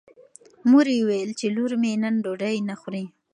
مور یې وویل چې لور مې نن ډوډۍ نه خوري.